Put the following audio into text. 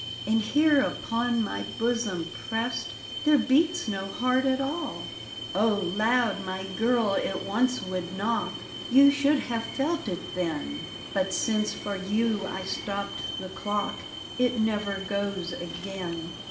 And here upon my bosom prest There beats no heart at all?" D,gt,, erihyGOOgle Haunted " Oh, loud, my girl, it once would knock. You should have felt it then; But since for you I stopped the dock It never goes again."